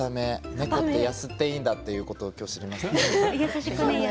猫って、やすっていいんだっていうことを今日、知りました。